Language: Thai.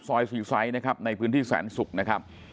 ซอยสี่สายนะครับในพื้นที่แสนสุกนะครับ